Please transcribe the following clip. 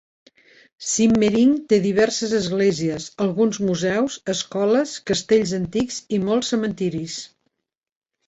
Simmering té diverses esglésies, alguns museus, escoles, castells antics i molts cementiris.